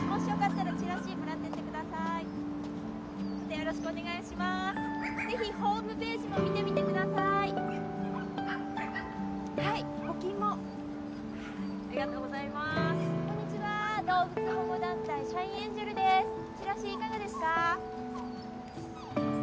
チラシいかがですか？